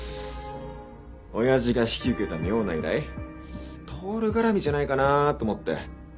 親父が引き受けた妙な依頼透絡みじゃないかなと思って。